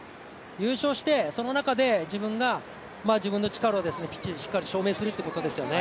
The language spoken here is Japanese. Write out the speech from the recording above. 優勝して、その中で自分が自分の力をピッチでしっかり証明することですよね。